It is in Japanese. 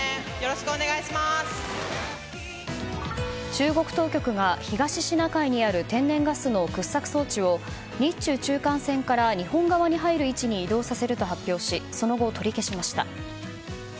中国当局が東シナ海にある天然ガスの掘削装置を日中中間線から日本側に入る位置に移動させると発表しその後、取り消しました。